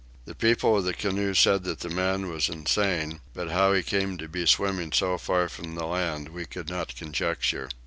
The people of the canoe said that the man was insane, but how he came to be swimming so far from the land we could not conjecture.